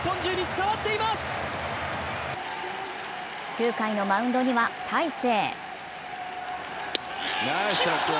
９回のマウンドには大勢。